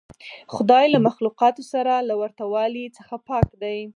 خدای له مخلوقاتو سره له ورته والي څخه پاک دی.